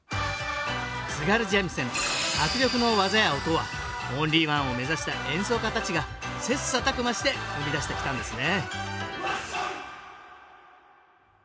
津軽三味線迫力の技や音はオンリーワンを目指した演奏家たちが切磋琢磨して生み出してきたんですね